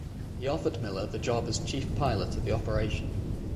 He offered Miller the job as chief pilot of the operation.